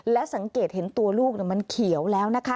และสังเกตเห็นตัวลูกมันเขียวแล้วนะคะ